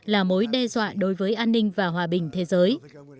là mối đe dọa đối với an ninh và hòa bình thế giới